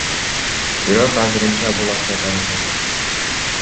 Бирок азырынча бул акча таратылбайт.